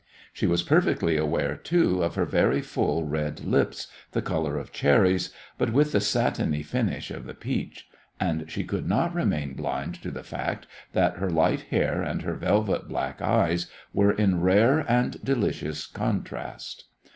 She was perfectly aware, too, of her very full red lips, the colour of cherries, but with the satiny finish of the peach; and she could not remain blind to the fact that her light hair and her velvet black eyes were in rare and delicious contrast.